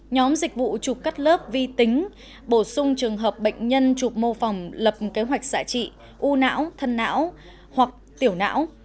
nhóm dịch vụ chụp cắt lớp vi tính bổ sung trường hợp bệnh nhân chụp mô phòng lập kế hoạch xạ trị u não thân não hoặc tiểu não